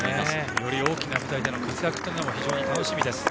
より大きな舞台での活躍も非常に楽しみです。